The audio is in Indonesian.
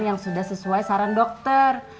yang sudah sesuai saran dokter